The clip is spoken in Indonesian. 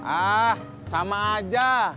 ah sama aja